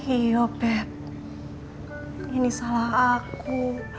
ayo pet ini salah aku